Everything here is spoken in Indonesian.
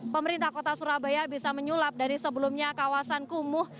pemerintah kota surabaya bisa menyulap dari sebelumnya kawasan kumuh